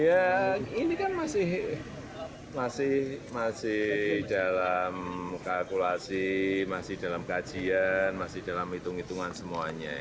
ya ini kan masih dalam kalkulasi masih dalam kajian masih dalam hitung hitungan semuanya